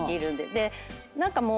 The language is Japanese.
で何かもう。